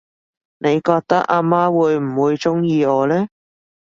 你覺得阿媽會唔會鍾意我呢？